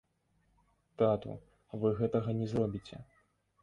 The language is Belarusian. Тату, вы гэтага не зробіце.